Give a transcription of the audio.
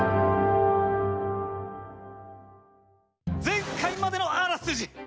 前回までのあらすじ！